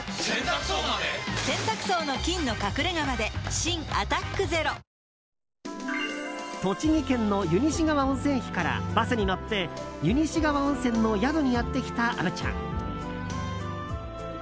新「アタックＺＥＲＯ」栃木県の湯西川温泉駅からバスに乗って湯西川温泉の宿にやってきた虻ちゃん。